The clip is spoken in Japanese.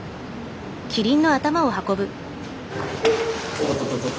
おっとととと。